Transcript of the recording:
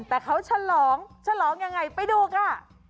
แต่เขาฉลองฉลองยังไงไปดูค่ะ